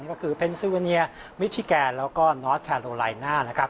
ก็คือเป็นซูเวเนียมิชิแกนแล้วก็นอสแคโลไลน่านะครับ